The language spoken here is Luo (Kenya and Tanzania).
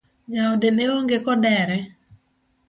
Jaode neonge kodere?